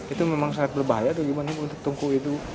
itu memang sangat berbahaya bagaimana untuk tungku itu